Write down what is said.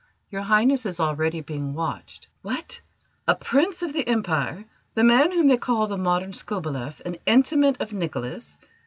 Your Highness is already being watched." "What! A Prince of the Empire, the man whom they call the Modern Skobeleff, an intimate of Nicholas!